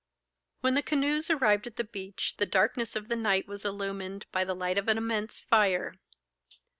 When the canoes arrived at the beach, the darkness of the night was illumined by the light of an immense fire.